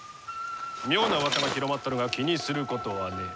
妙なうわさが広まっとるが気にすることはねえ。